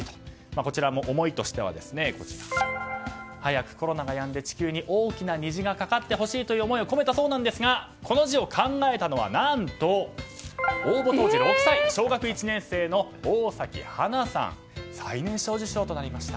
こちらも思いとしては早くコロナがやんで地球に大きな虹が架かってほしいと思いを込めたそうなんですがこの字を考えたのは何と小学１年生の大崎珀寧さん、最年少受賞でした。